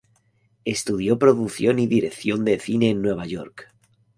Estudió producción y dirección de cine en Nueva York.